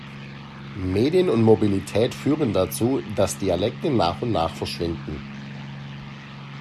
Medien und Mobilität führen dazu, dass Dialekte nach und nach verschwinden.